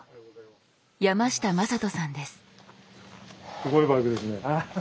すごいバイクですね。